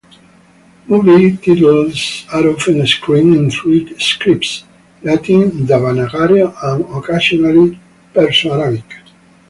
Movie titles are often screened in three scripts: Latin, Devanagari and occasionally Perso-Arabic.